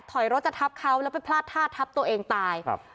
ถอยรถจะทับเขาแล้วไปพลาดท่าทับตัวเองตายครับ